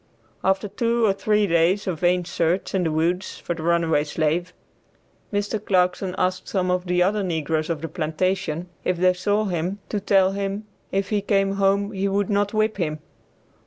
After two or three days of vain search in the woods for the runaway slave, Mr. Clarkson asked some of the other negroes on the plantation, if they saw him, to tell him if he came home he would not whip him.